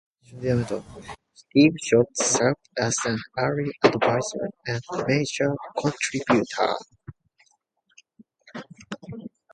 Steve Jobs served as an early adviser and major contributor.